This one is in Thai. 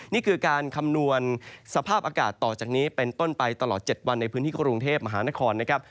นี่คือการคำนวณสภาพอากาศต่อจากนี้เป็นต้นไปตลอด๗วันในพื้นที่กรุงเทพมหานครนะครับ